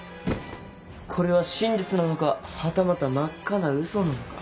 これは真実なのかはたまた真っ赤なうそなのか。